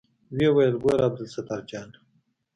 ويې ويل ګوره عبدالستار جانه.